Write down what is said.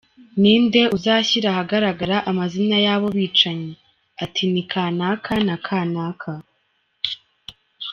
– Ni nde uzashyira ahagaragara amazina y’abo bicanyi, ati ni kanaka na kananka,